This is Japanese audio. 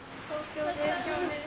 東京です。